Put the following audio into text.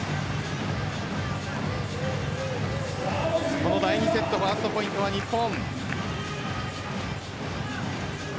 この第２セットのファーストポイントは日本。